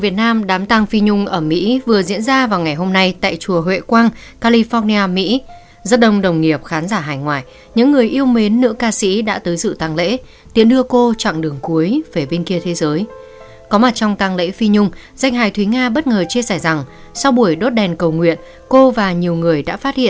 các bạn hãy đăng ký kênh để ủng hộ kênh của chúng mình nhé